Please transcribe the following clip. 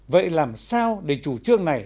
vậy làm sao để chủ trương này